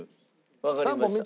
わかりました。